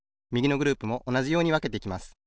みぎのグループもおなじようにわけていきます。